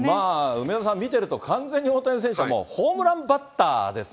梅沢さん、見てると完全に大谷選手もホームランバッターです